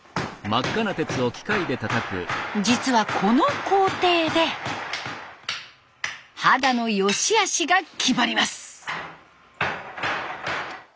実はこの工程で肌の善しあしが決まります。